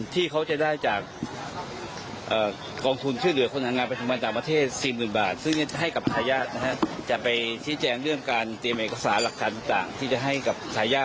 ที่จะให้กับสายญาตินะครับ